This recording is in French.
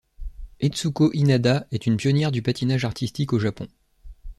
Etsuko Inada est une pionnière du patinage artistique au Japon.